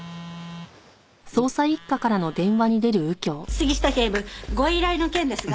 杉下警部ご依頼の件ですが。